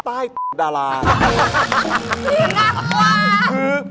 ที่รักสุด